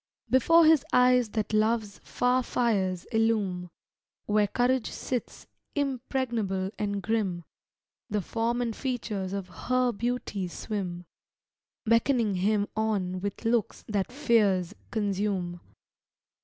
Before his eyes that love's far fires illume Where courage sits, impregnable and grim The form and features of her beauty swim, Beckoning him on with looks that fears consume.